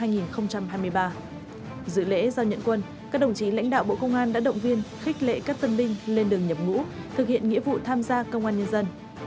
dự lễ giao nhận quân các đồng chí lãnh đạo bộ công an đã động viên khích lệ các tân binh lên đường nhập ngũ thực hiện nghĩa vụ tham gia công an nhân dân